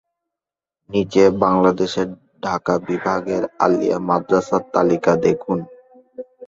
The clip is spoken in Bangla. নিচে বাংলাদেশের ঢাকা বিভাগের আলিয়া মাদ্রাসার তালিকা দেখুন।